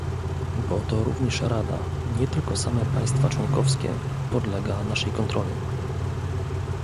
Bo to również Rada, nie tylko same państwa członkowskie, podlega naszej kontroli